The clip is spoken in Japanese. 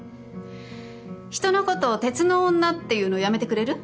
人のこと鉄の女って言うのやめてくれる？